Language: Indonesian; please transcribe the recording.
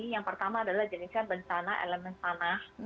yang pertama adalah jenisnya bencana elemen tanah